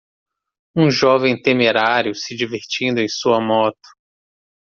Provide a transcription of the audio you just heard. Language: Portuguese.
Um jovem temerário se divertindo em sua moto.